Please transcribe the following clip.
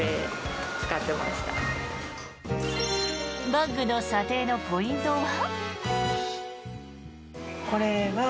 バッグの査定のポイントは？